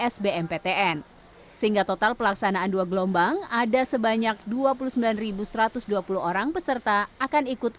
sbmptn sehingga total pelaksanaan dua gelombang ada sebanyak dua puluh sembilan satu ratus dua puluh orang peserta akan ikut